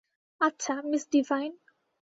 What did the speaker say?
আচ্ছা, miss divine.